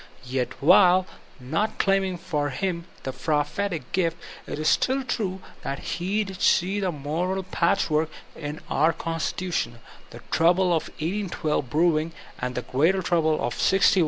Yet while not claiming for him the prophetic gift, it is still true that he did see the moral patchwork in our con stitution, the trouble of 1812 brewing, and the greater trouble of '61 '65.